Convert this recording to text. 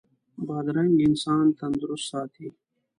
بادرنګ انسان تندرست ساتي.